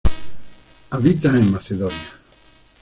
Habita en Macedonia.